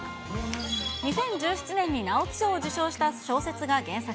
２０１７年に直木賞を受賞した小説が原作。